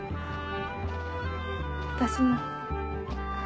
私も。